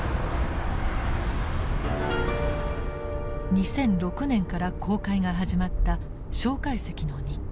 ２００６年から公開が始まった介石の日記。